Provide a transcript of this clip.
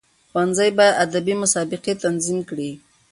ښوونځي باید ادبي مسابقي تنظیم کړي.